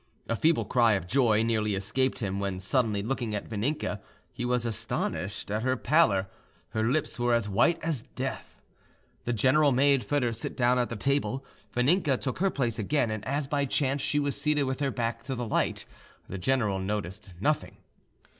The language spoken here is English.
A feeble cry of joy nearly escaped him, when, suddenly looking at Vaninka, he was astonished at her pallor: her lips were as white as death. The general made Foedor sit down at the table: Vaninka took her place again, and as by chance she was seated with her back to the light, the general noticed nothing.